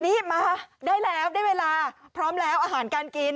นี่มาได้แล้วได้เวลาพร้อมแล้วอาหารการกิน